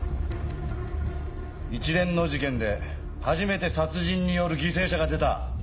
一連の事件で初めて殺人による犠牲者が出た。